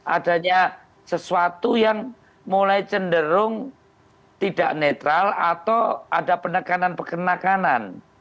adanya sesuatu yang mulai cenderung tidak netral atau ada penekanan pekannakanan